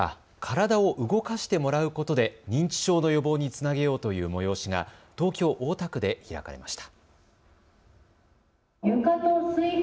そうした中、体を動かしてもらうことで認知症の予防につなげようという催しが東京大田区で開かれました。